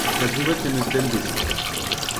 Labouret em eus bemdez.